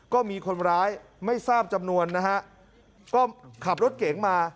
ก็มีคนร้ายไม่ทราบจำนวนนะฮะก็ขับรถเก๋งมา